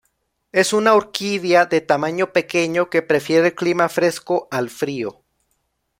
Es una orquídea de tamaño pequeño que prefiere el clima fresco al frío.